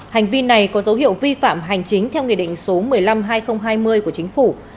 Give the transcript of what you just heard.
hành vi này có dấu hiệu vi phạm hành chính theo nghị định số một mươi năm hai nghìn hai mươi của chính phủ